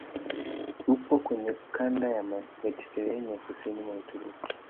Upo kwenye kanda ya Mediteranea kusini mwa Uturuki.